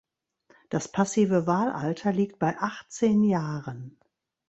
Das passive Wahlalter liegt bei achtzehn Jahren.